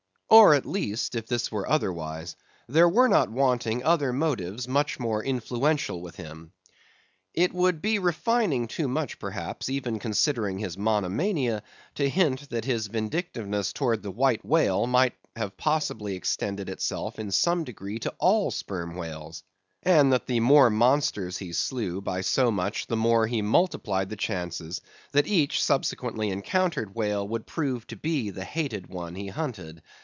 Or at least if this were otherwise, there were not wanting other motives much more influential with him. It would be refining too much, perhaps, even considering his monomania, to hint that his vindictiveness towards the White Whale might have possibly extended itself in some degree to all sperm whales, and that the more monsters he slew by so much the more he multiplied the chances that each subsequently encountered whale would prove to be the hated one he hunted.